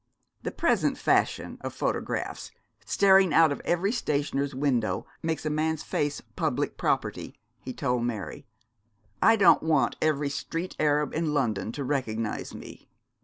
'The present fashion of photographs staring out of every stationer's window makes a man's face public property,' he told Mary. 'I don't want every street Arab in London to recognise me.'